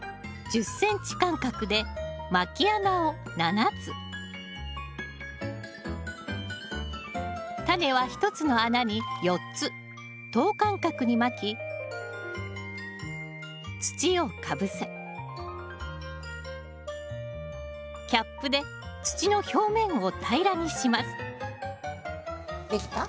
１０ｃｍ間隔でまき穴を７つタネは１つの穴に４つ等間隔にまき土をかぶせキャップで土の表面を平らにします出来た？